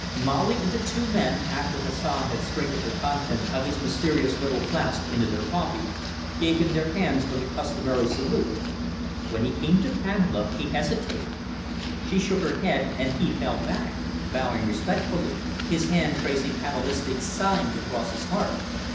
Molly and the two men, after Hassan had sprinkled the contents of his mysterious little flask into their coffee, gave him their hands for the customary salute. When he came to Pamela he hesitated. She shook her head and he fell back, bowing respectfully, his hand tracing cabalistic signs across his heart.